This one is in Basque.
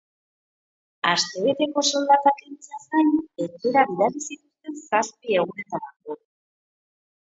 Astebeteko soldata kentzeaz gain, etxera bidali zituzten zazpi egunetarako.